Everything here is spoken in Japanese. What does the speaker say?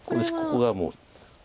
ここがもう。